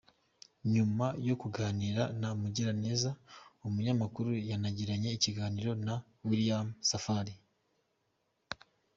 Nyuma yo kuganira na Mugiraneza, umunyamakuru yanagiranye ikiganiro na William Safari.